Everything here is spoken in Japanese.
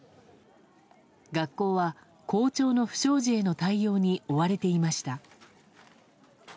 学校は校長の不祥事への対応に追われていました。